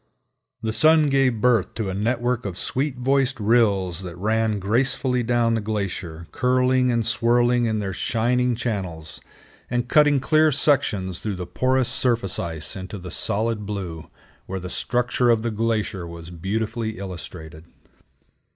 The sun gave birth to a network of sweet voiced rills that ran gracefully down the glacier, curling and swirling in their shining channels, and cutting clear sections through the porous surface ice into the solid blue, where the structure of the glacier was beautifully illustrated.